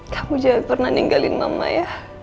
kamu juga pernah ninggalin mama ya